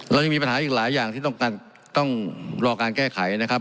เรายังมีปัญหาอีกหลายอย่างที่ต้องรอการแก้ไขนะครับ